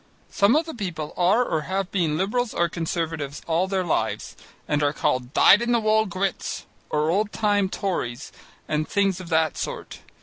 Some of the people are or have been Liberals or Conservatives all their lives and are called dyed in the wool Grits or old time Tories and things of that sort.